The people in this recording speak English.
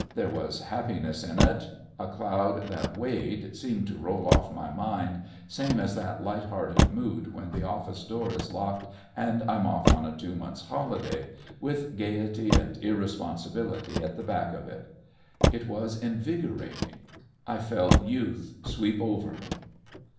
There was happiness in it. A cloud that weighed seemed to roll off my mind, same as that light hearted mood when the office door is locked and I'm off on a two months' holiday with gaiety and irresponsibility at the back of it. It was invigorating. I felt youth sweep over me.